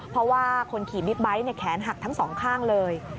เพราะว่าคนขี่บิ๊กไบท์แขนหักทั้งสองข้างเลย